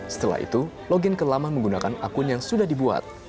setelah itu login ke laman menggunakan akun yang sudah dibuat